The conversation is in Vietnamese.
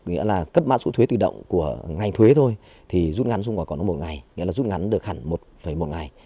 mạng số thuế tự động của ngành thuế thôi thì rút ngắn xung quanh còn có một ngày nghĩa là rút ngắn được hẳn một một ngày